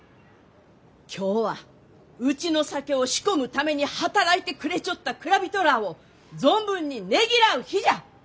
今日はうちの酒を仕込むために働いてくれちょった蔵人らあを存分にねぎらう日じゃ！